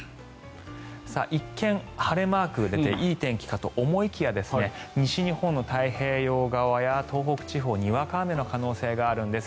一見、晴れマーク出ていい天気かと思いきや西日本の太平洋側や東北地方はにわか雨の可能性があるんです。